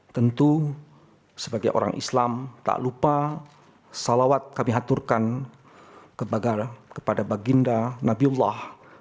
tentu sebagai orang islam tak lupa salawat kami aturkan kepada baginda nabiullah